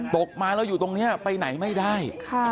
ตกมาแล้วอยู่ตรงนี้ไปไหนไม่ได้